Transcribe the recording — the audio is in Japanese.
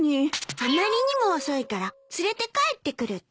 あまりにも遅いから連れて帰ってくるって。